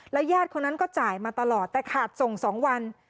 ญาติคนนั้นก็จ่ายมาตลอดแต่ขาดส่ง๒วัน